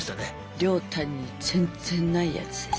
亮太に全然ないやつです。